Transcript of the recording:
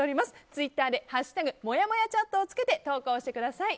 ツイッターで「＃もやもやチャット」をつけて投稿してください。